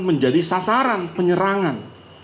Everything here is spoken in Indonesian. menjadi sasaran penyerangan